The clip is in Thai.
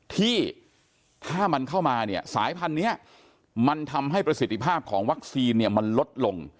ที่ถ้ามันเข้ามาเนี่ยสายพันธุ์นี้มันทำให้ประสิทธิภาพของวัคซีนเนี่ยมันลดลง